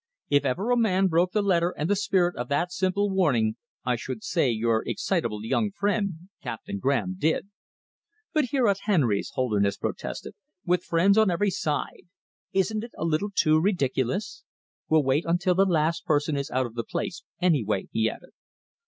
If ever a man broke the letter and the spirit of that simple warning I should say your excitable young friend, Captain Graham, did." "But here at Henry's," Holderness protested, "with friends on every side! Isn't it a little too ridiculous! We'll wait until the last person is out of the place, anyway," he added.